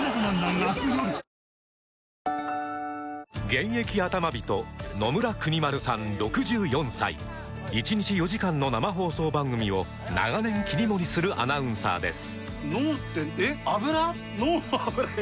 現役アタマ人野村邦丸さん６４歳１日４時間の生放送番組を長年切り盛りするアナウンサーです